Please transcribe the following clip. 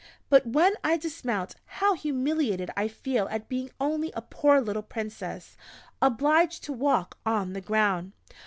But when I dismount how humiliated I feel at being only a poor little princess, obliged to walk on the ground!"